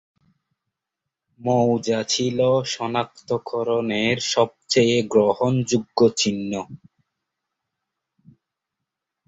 মৌজা ছিল শনাক্তকরণের সবচেয়ে গ্রহণযোগ্য চিহ্ন।